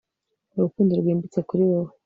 urukundo rwimbitse kuri wowe